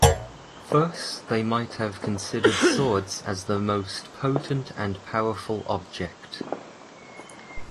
Thus they might have considered swords as the most potent and powerful object.